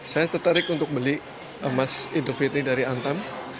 sangat tertarik untuk beli emas idofitri dari antam